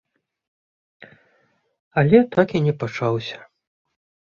Але так і не пачаўся.